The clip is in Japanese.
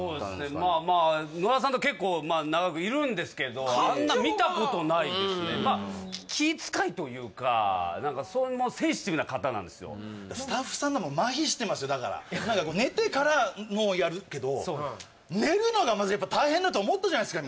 まあまあ野田さんと結構長くいるんですけどあんな見たことないですねまあ気使いというか何かスタッフさんの方もマヒしてますよだから何かこう寝てからのをやるけど寝るのがまずやっぱ大変だと思ったじゃないっすか